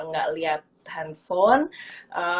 gak liat handphone